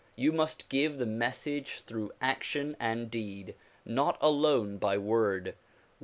You must give the message through action and deed, not alone by word.